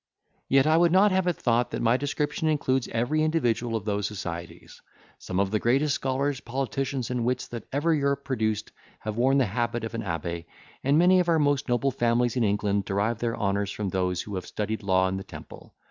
Yet I would not have it thought that my description includes every individual of those societies. Some of the greatest scholars, politicians, and wits, that ever Europe produced, have worn the habit of an abbe; and many of our most noble families in England derive their honours from those who have studied law in the Temple.